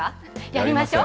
やりましょう。